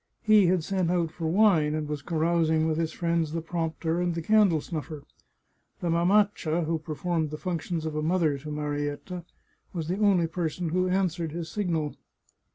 He had sent out for wine, and was carousing with his friends the prompter and the candle snuffer. The mamaccia, who performed the functions of a mother to Marietta, was the only person who answered his signal.